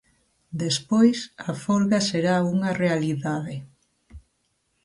Despois, a folga será unha realidade.